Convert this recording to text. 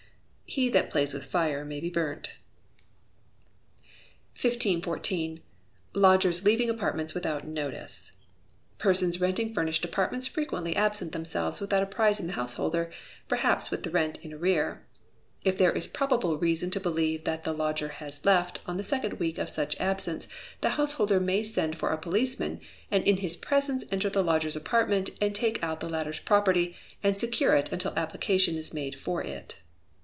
[HE THAT PLAYS WITH FIRE MAY BE BURNT.] 1514. Lodgers Leaving Apartments Without Notice. Persons renting furnished apartments frequently absent themselves without apprising the householder, perhaps with the rent in arrear. If there is probable reason to believe that the lodger has left, on the second week of such absence the householder may send for a policeman, and in his presence enter the lodger's apartment and take out the latter's property, and secure it until application is made for it.